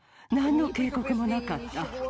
なんの警告もなかった。